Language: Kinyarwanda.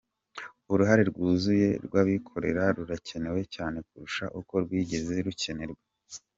Uruhare rwuzuye rw’ abikorera rurakenewe cyane kurusha uko rwigeze rukenerwa”.